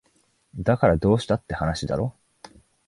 だからどうしたって話だろ